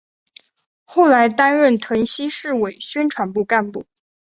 后来担任屯溪市委宣传部干部。